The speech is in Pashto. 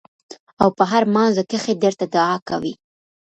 او پۀ هر مانځه کښې درته دعا کوي ـ